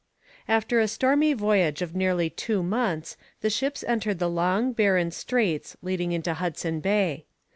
After a stormy voyage of nearly two months the ships entered the long, barren straits leading into Hudson Bay.